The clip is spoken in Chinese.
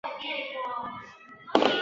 鸻刺缘吸虫为棘口科刺缘属的动物。